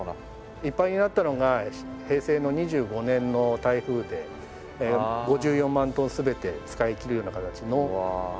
いっぱいになったのが平成の２５年の台風で５４万トン全て使い切るような形の貯水量がありました。